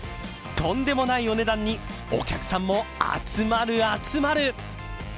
とんでもないお値段に、お客さんも集まる、集まる。